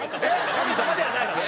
神様ではないのね？